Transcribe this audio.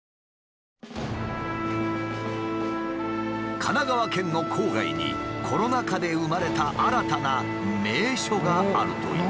神奈川県の郊外にコロナ禍で生まれた新たな名所があるという。